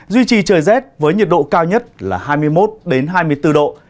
duy trì trời rét với nhiệt độ cao nhất là hai mươi một hai mươi bốn độ